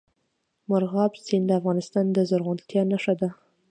مورغاب سیند د افغانستان د زرغونتیا نښه ده.